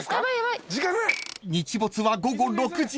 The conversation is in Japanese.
［日没は午後６時］